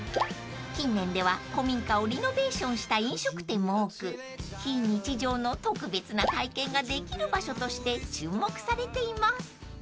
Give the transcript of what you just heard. ［近年では古民家をリノベーションした飲食店も多く非日常の特別な体験ができる場所として注目されています］